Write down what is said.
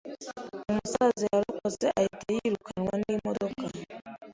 Umusaza yarokotse ahita yirukanwa n'imodoka.